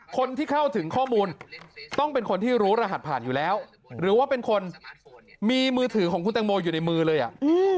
คนที่เข้าถึงข้อมูลต้องเป็นคนที่รู้รหัสผ่านอยู่แล้วหรือว่าเป็นคนมีมือถือของคุณแตงโมอยู่ในมือเลยอ่ะอืม